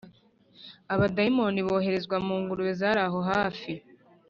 Abo badayimoni boherezwa mungurube z’araho hafi